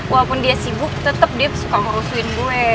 walaupun dia sibuk tetep dia suka ngerusuin gue